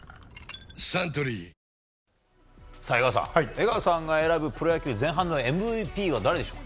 江川さんが選ぶプロ野球前半のＭＶＰは誰でしょう？